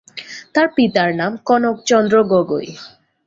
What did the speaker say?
তার পিতার নাম কনক চন্দ্র গগৈ।